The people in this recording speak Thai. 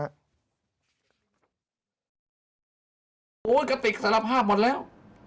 กติกสารภาพหมดแล้ว